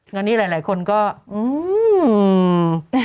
งั้นนี่หลายคนก็อื้อ